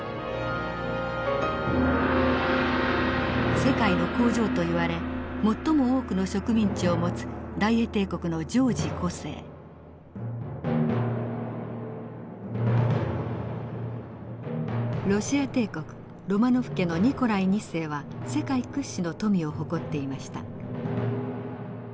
世界の工場といわれ最も多くの植民地を持つロシア帝国ロマノフ家のニコライ２世は世界屈指の富を誇っていました。